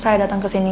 saya datang kesini